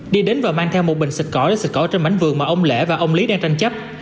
đi đến và mang theo một bình xịt cỏ để xịt cỏ trên mảnh vườn mà ông lễ và ông lý đang tranh chấp